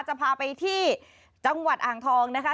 จะพาไปที่จังหวัดอ่างทองนะคะ